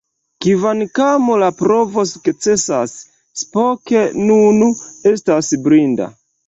Kvankam la provo sukcesas, Spock nun estas blinda.